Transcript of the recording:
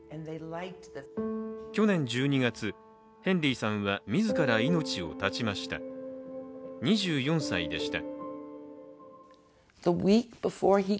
去年１２月、ヘンリーさんは自ら命を絶ちました、２４歳でした。